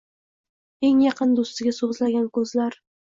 Eng yaqin do’stiga so’zlagan ko’zlar